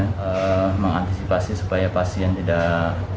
kita mengantisipasi supaya pasien tidak